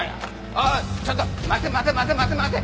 おいちょっと待て待て待て待て待て。